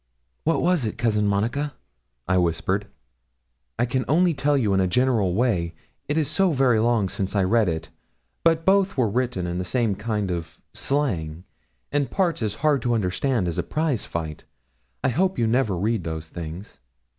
'What was it, Cousin Monica?' I whispered. 'I can only tell you in a general way, it is so very long since I read it; but both were written in the same kind of slang, and parts as hard to understand as a prize fight. I hope you never read those things.'